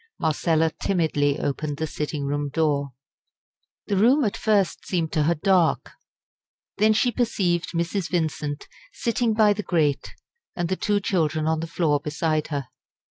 Marcella timidly opened the sitting room door. The room at first seemed to her dark. Then she perceived Mrs. Vincent sitting by the grate, and the two children on the floor beside her.